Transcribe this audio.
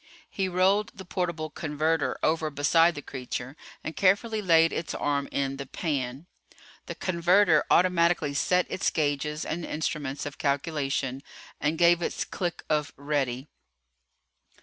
He rolled the portable converter over beside the creature and carefully laid its arm in the "pan." The converter automatically set its gauges and instruments of calculation, and gave its click of "ready."